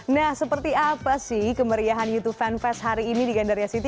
nah seperti apa sih kemeriahan youtube fanfest hari ini di gandaria city